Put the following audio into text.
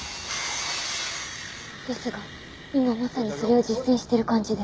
ですが今まさにそれを実践してる感じで。